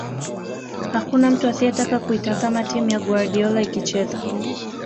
Hakuna mtu asiyetaka kuitazama timu ya Guardiola ikicheza